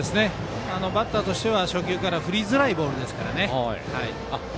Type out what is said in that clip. バッターとしては初球から振りづらいボールですね。